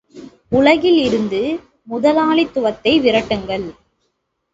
உலகில் இருந்து முதலாளித்துவத்தை விரட்டுங்கள்.